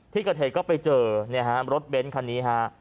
ที่เกิดเหตุเข้าไปเจอเนี่ยฮะรถเบนท์คันนี้ฮะ